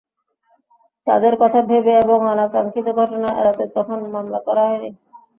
তাঁদের কথা ভেবে এবং অনাকাঙ্ক্ষিত ঘটনা এড়াতে তখন মামলা করা হয়নি।